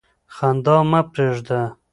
خندا مه پرېږده.